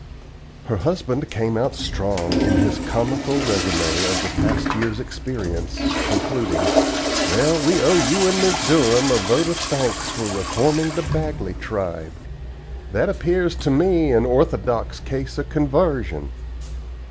Her husband came out strong in his comical resume of the past year's experience, concluding: "Well, we owe you and Mrs. Durham a vote of thanks for reforming the Bagley tribe. That appears to me an orthodox case of convarsion.